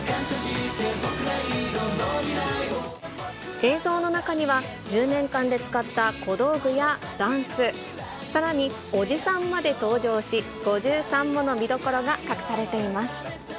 映像の中には、１０年間で使った小道具やダンス、さらに、おじさんまで登場し、５３もの見どころが隠されています。